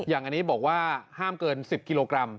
อย่างนี้บอกว่าห้ามเกิน๑๐กิโลกรัม